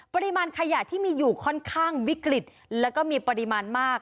ปริมาณขยะที่มีอยู่ค่อนข้างวิกฤตแล้วก็มีปริมาณมาก